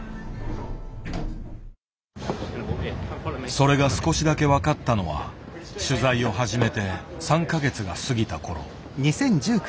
それが少しだけ分かったのは取材を始めて３か月が過ぎた頃。